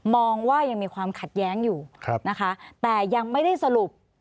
มองว่ายังมีความขัดแย้งอยู่นะคะแต่ยังไม่ได้สรุป